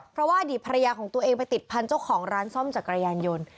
เพราะว่าอดีตภรรยาของตัวเองไปติดพันธุ์เจ้าของร้านซ่อมจักรยานยนต์